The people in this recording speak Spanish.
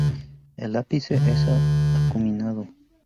El ápice es acuminado.